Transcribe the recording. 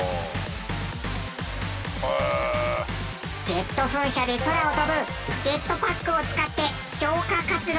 ジェット噴射で空を飛ぶジェットパックを使って消火活動。